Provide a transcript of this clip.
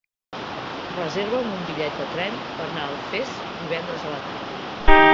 Reserva'm un bitllet de tren per anar a Alfés divendres a la tarda.